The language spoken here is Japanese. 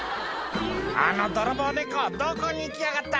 「あの泥棒猫どこに行きやがった！」